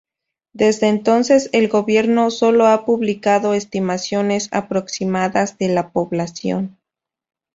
Desde entonces, el gobierno sólo ha publicado estimaciones aproximadas de la población.